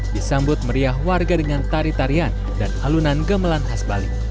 disambut meriah warga dengan tari tarian dan alunan gemelan khas bali